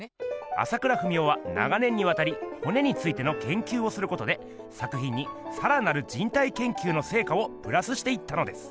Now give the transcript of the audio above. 朝倉文夫は長年にわたり骨についてのけんきゅうをすることで作品にさらなる人体研究のせいかをプラスしていったのです。